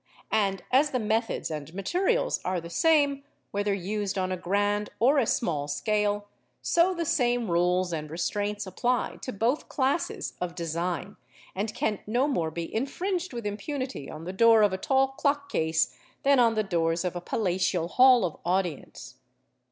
And as the methods and materials are the same, whether used on a grand or a small scale, so the same rules and restraints apply to both classes of design, and can no more be infringed with impunity on the door of a tall clock case than on the doors of a palatial hall of audience.